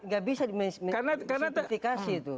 gak bisa disimplifikasi itu